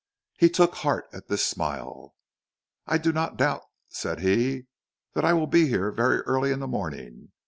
He took heart at this smile. "I do not doubt," said he, "that I shall be here very early in the morning."